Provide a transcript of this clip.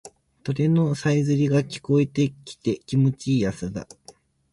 鳥のさえずりが聞こえてきて気持ちいい朝だ。